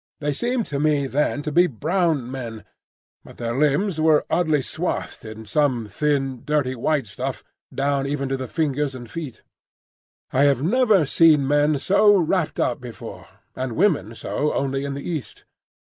They seemed to me then to be brown men; but their limbs were oddly swathed in some thin, dirty, white stuff down even to the fingers and feet: I have never seen men so wrapped up before, and women so only in the East.